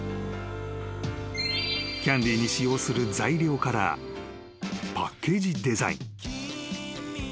［キャンディーに使用する材料からパッケージデザイン］